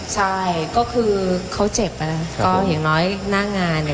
ใช่ก็คือเขาเจ็บอ่ะนะก็อย่างน้อยหน้างานเนี่ย